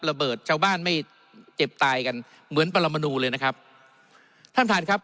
ระเบิดเจ้าบ้านไม่เจ็บตายกันเหมือนประมาณูเลยนะครับท่านท่านครับ